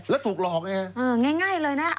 แล้วถูกหลอกไง